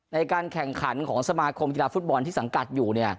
ในการแข่งขันของสมาคมกีฬาฟุตบอลที่สังกัดอยู่